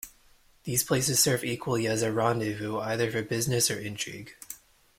These places serve equally as a rendezvous either for business or intrigue.